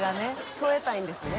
添えたいんですね